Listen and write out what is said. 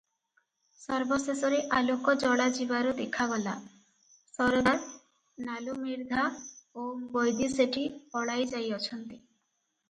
ସର୍ବଶେଷରେ ଆଲୋକ ଜଳା ଯିବାରୁ ଦେଖାଗଲା, ସରଦାର ନାଲୁମିର୍ଦ୍ଧା ଓ ବୈଦି ଶେଠୀ ପଳାଇ ଯାଇଅଛନ୍ତି ।